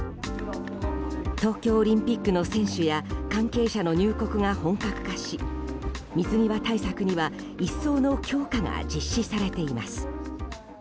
東京オリンピックの選手や関係者の入国が本格化し水際対策には一層の強化が実施されています。